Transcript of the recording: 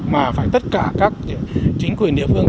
mà phải tất cả các chính quyền địa phương